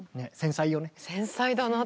繊細よね。